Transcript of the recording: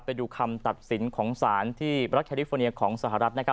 ไปดูคำตัดสินของสารที่รัฐแคลิฟอร์เนียของสหรัฐนะครับ